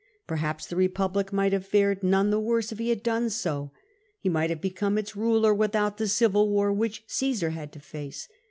Perhaps the Eepublic might have fared none the worse if he had done so ; he might have become its ruler without the civil war which Caesar had to face.